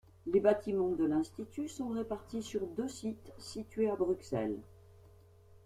Les bâtiments de l'institut sont répartis sur deux sites situés à Bruxelles.